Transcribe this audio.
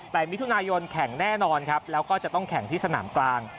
แต่มิถุนายนแข่งแน่นอนครับแล้วก็จะต้องแข่งที่สนามกลาง